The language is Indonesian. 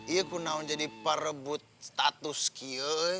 ia kena jadi perebut status kia